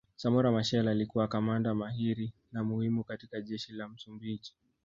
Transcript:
Samora Machel alikuwa kamanda mahiri na muhimu sana katika jeshi la Msumbiji